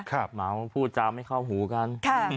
ขอบหมาว่าพูดจาวไม่เข้าหูกัน